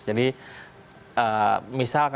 jadi misal kalau ada